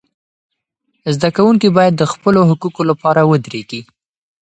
زده کوونکي باید د خپلو حقوقو لپاره ودریږي.